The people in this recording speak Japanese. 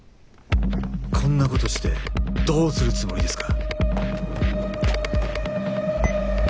こんなことしてどうするつもりですか？